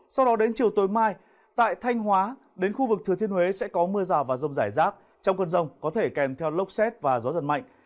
sau đó đến chiều tối mai tại thanh hóa đến khu vực thừa thiên huế sẽ có mưa rào và rông rải rác trong cơn rông có thể kèm theo lốc xét và gió giật mạnh